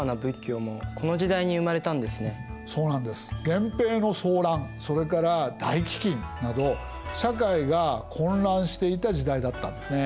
源平の争乱それから大飢饉など社会が混乱していた時代だったんですね。